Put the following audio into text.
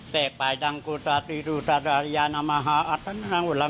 แต่ก็ต้องเฉพาะอีกคาถา